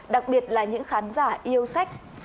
đặc biệt là những khán giả yêu sách